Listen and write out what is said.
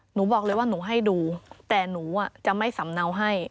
หนูบอกเลยว่าหนูให้ดูแต่หนูจะไม่สำเนาให้